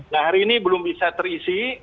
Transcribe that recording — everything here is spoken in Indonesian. nah hari ini belum bisa terisi